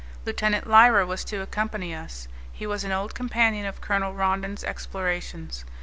Lieutenant Lyra was to accompany us; he was an old companion of Colonel Rondon's explorations.